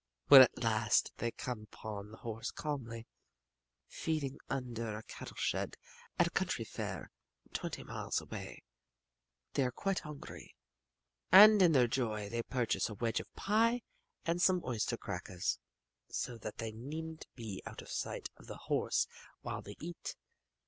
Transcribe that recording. When at last they come upon the horse calmly feeding under a cattle shed at a county fair twenty miles away, they are quite hungry, and in their joy they purchase a wedge of pie and some oyster crackers, so that they needn't be out of sight of the horse while they eat.